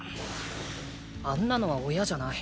あんなのは親じゃない。